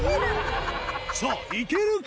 さぁいけるか？